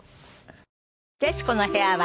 『徹子の部屋』は